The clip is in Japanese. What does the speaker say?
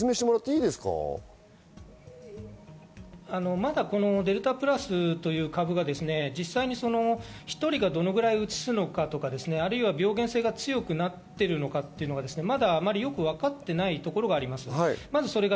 まだデルタプラスという株が１人がどれくらいにうつすのかとか病原性が強くなってるのかは、まだあまりよく分かっていないところがあります。